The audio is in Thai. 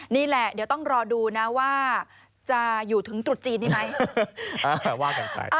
นี่แหละเดี๋ยวต้องรอดูว่าจะอยู่ถึงดรุดจีนได้มั้ย